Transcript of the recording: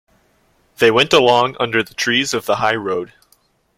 They went along under the trees of the highroad.